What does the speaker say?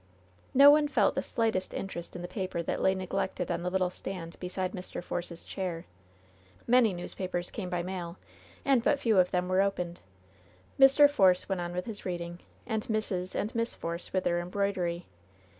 No one felt the slightest interest in the paper that lay neglected on the little stand beside Mr. Force's chair. Many newspapers came by mail, and but few of them were opened. Mr. Force went on with his reading, and Mrs. and Miss Force with their embroidery.